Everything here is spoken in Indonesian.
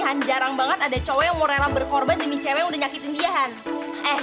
han jarang banget ada cowok yang mau rela berkorban demi cewek udah nyakitin dia kan eh